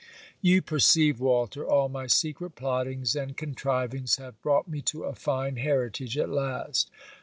You perceive, Walter, all my secret plottings and contrivings have brought me to a fine heritage at last!